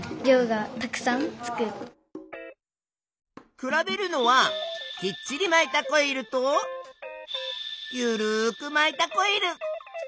比べるのはきっちりまいたコイルとゆるくまいたコイル。